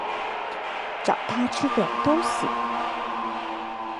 找她去吃点东西